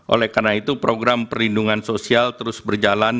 oleh karena itu program perlindungan sosial terus berjalan